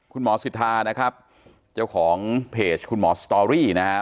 สิทธานะครับเจ้าของเพจคุณหมอสตอรี่นะฮะ